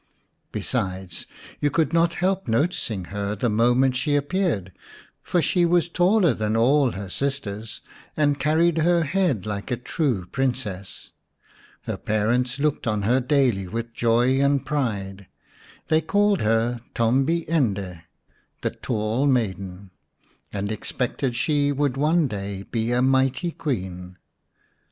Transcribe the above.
Besides, you could not help noticing her the moment she appeared, for she was taller than all her sisters, and carried her head like a true Princess. Her parents looked on her daily with joy and pride. They called her Tombi ende, " the Tall Maiden," and expected she would one day be a mighty Queen.